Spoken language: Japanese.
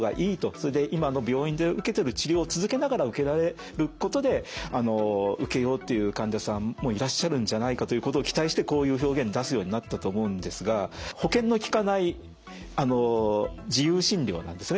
それで今の病院で受けてる治療を続けながら受けられることで受けようっていう患者さんもいらっしゃるんじゃないかということを期待してこういう表現出すようになったと思うんですが保険のきかない自由診療なんですね。